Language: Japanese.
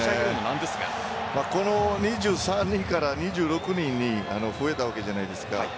この２３人から２６人に増えたわけじゃないですか。